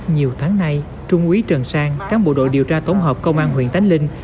nhiều tháng nay trung quý trần sang tráng bộ đội điều tra tổng hợp công an huyện tánh linh